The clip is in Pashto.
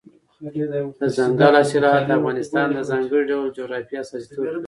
دځنګل حاصلات د افغانستان د ځانګړي ډول جغرافیه استازیتوب کوي.